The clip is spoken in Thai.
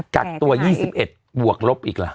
กักตัว๒๑บวกลบอีกล่ะ